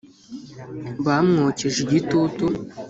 Bamwokeje igitutu